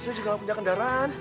saya juga punya kendaraan